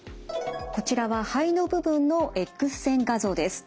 こちらは肺の部分のエックス線画像です。